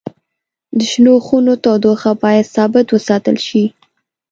د شنو خونو تودوخه باید ثابت وساتل شي.